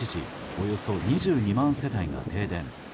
およそ２２万世帯が停電。